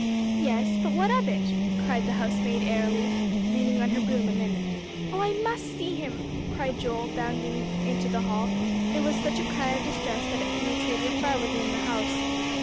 "Yes; but what of it?" cried the housemaid airily, leaning on her broom a minute. "Oh, I must see him," cried Joel, bounding into the hall. It was such a cry of distress that it penetrated far within the house.